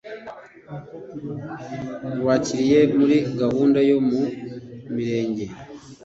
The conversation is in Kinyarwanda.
rwakiriye muri gahunda yo mu mirenge